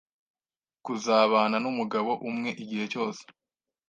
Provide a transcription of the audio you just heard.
kuzabana n’umugabo umwe igihe cyose,